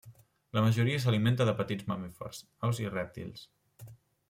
La majoria s'alimenta de petits mamífers, aus i rèptils.